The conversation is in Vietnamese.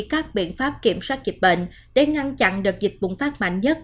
các biện pháp kiểm soát dịch bệnh để ngăn chặn đợt dịch bùng phát mạnh nhất